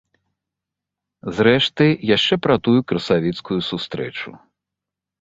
Зрэшты, яшчэ пра тую красавіцкую сустрэчу.